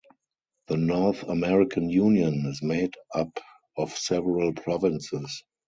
The North American Union is made up of several provinces.